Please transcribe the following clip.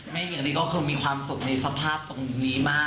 อย่างนี้ก็คือมีความสุขในสภาพตรงนี้มาก